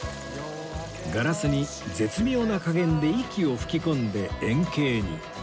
ガラスに絶妙な加減で息を吹き込んで円形に